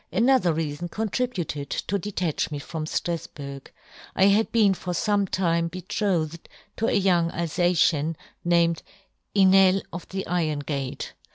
Another rea " fon contributed to detach me from " Strafburg. I had been for fome time " betrothed to ayoung Alfatian named " 'Enel of the iron gate.